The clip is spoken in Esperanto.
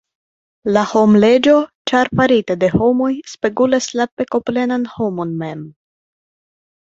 La homleĝo, ĉar farita de homoj, spegulas la pekoplenan homon mem.